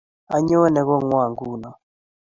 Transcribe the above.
Anyone kongwong nguno